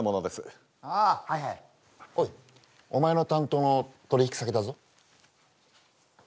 おいお前の担当の取引先だぞ。